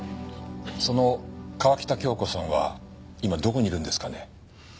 その川喜多京子さんは今どこにいるんですかね？